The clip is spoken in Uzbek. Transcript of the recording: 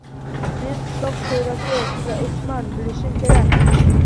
Men qishloq sho‘rosi raisiman, bilishim kerak? ;